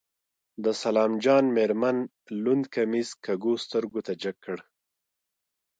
د سلام جان مېرمن لوند کميس کږو سترګو ته جګ کړ.